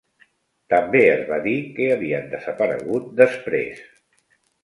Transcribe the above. També es va dir que havien desaparegut després.